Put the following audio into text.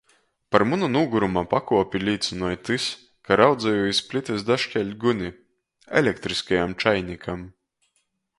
Par munu nūguruma pakuopi līcynoj tys, ka raudzeju iz plitys daškeļt guni... elektriskajam čainikam.